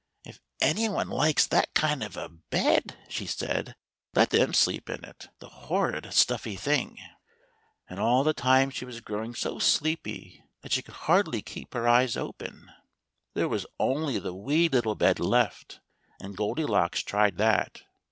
If any one likes that kind of a bed said she, " let them sleep in it — the hor rid stuffy thing!" And all the time ' v (V V, i f 1 112 2 THE THREE BEARS. she was growing so sleepy that she could hardly keep her eyes open. There was only the wee little bed left, and Goldilocks tried that.